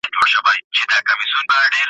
بېګناه چي د ګناه په تهمت وژني ,